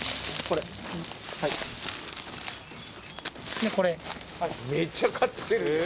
呂ぁめっちゃ買ってる。